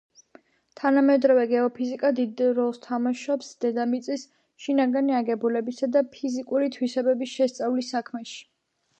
თანამედროვე გეოფიზიკა დიდი როლს თამაშობს დედამიწის შინაგანი აგებულებისა და ფიზიკური თვისებების შესწავლის საქმეში.